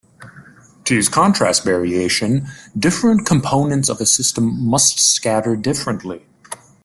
To use contrast variation, different components of a system must scatter differently.